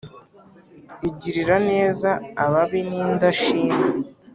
” “igirira neza ababi n’indashima”